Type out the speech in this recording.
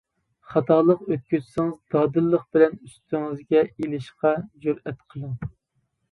خاتالىق ئۆتكۈزسىڭىز دادىللىق بىلەن ئۈستىڭىزگە ئىلىشقا جۈرئەت قىلىڭ.